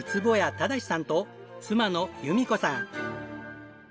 正さんと妻の由美子さん。